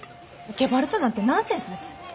ゲバルトなんてナンセンスです。